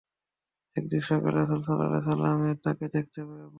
একদিন সকালে রাসূলুল্লাহ সাল্লাল্লাহু আলাইহি ওয়াসাল্লাম তাঁকে দেখতে এলেন।